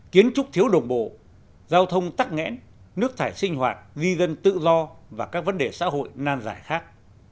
kiến trúc thiếu đồng bộ giao thông tắc nghẽn nước thải sinh hoạt di dân tự do và các vấn đề xã hội nan giải khác